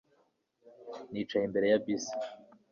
Nicaye imbere ya bisi